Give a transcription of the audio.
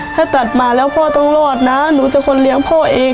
ถ้าตัดมาแล้วพ่อต้องรอดนะหนูจะคนเลี้ยงพ่อเอง